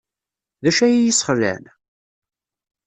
D acu ay iyi-yesxelɛen?